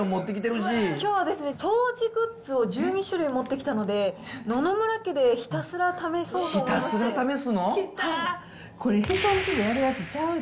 きょうはですね、掃除グッズを１２種類持ってきたので、野々村家でひたすら試そうと思いまし